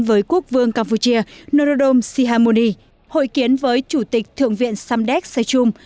với quốc vương campuchia norodom sihamoni hội kiến với chủ tịch thượng viện samdek saechum